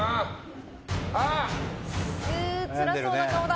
つらそうな顔だ。